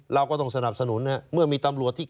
เราก็ต้องสนับสนุนเมื่อมีตำรวจที่